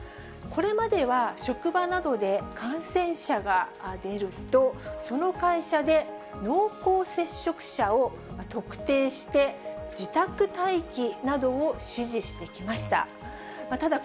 これまでは職場などで感染者が出ると、その会社で濃厚接触者を特定して、自宅待機などを指示してきました。